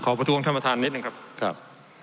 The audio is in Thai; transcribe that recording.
ขอประทวงท่านประธานนิดนึงครับ